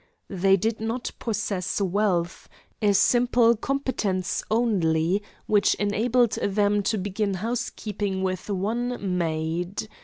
They did not possess wealth; a simple competence only, which enabled them to begin housekeeping with one maid.